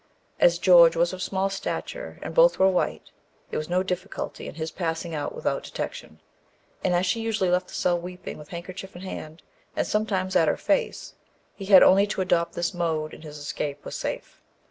As George was of small stature, and both were white, there was no difficulty in his passing out without detection; and as she usually left the cell weeping, with handkerchief in hand, and sometimes at her face, he had only to adopt this mode and his escape was safe.